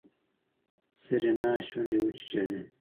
سېرېنا شونډې وچيچلې.